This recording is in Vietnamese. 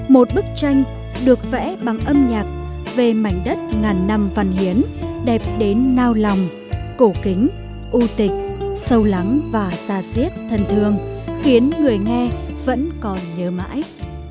một bức tranh được vẽ bằng âm nhạc về mảnh đất ngàn năm văn hiến đẹp đến nao lòng cổ kính u tịch sâu lắng và xa diết thân thương khiến người nghe vẫn còn nhớ mãi